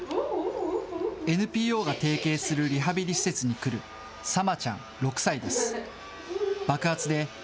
ＮＰＯが提携するリハビリ施設に来る、サマちゃん６歳です。